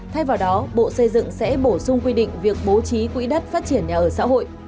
thay vào đó bộ xây dựng sẽ bổ sung quy định việc bố trí quỹ đất phát triển nhà ở xã hội